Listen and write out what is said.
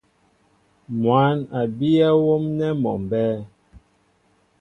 Mwǎn a bíyɛ́ wóm nɛ́ mɔ mbɛ́ɛ́.